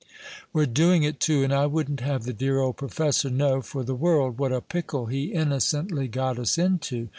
"We're doing it, too, and I wouldn't have the dear old professor know, for the world, what a pickle he innocently got us into.